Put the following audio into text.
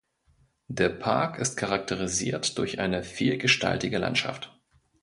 Der Park ist charakterisiert durch eine vielgestaltige Landschaft.